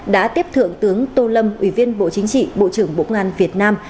đã tiếp thượng tướng tô lâm ủy viên bộ chính trị bộ trưởng bộ công an việt nam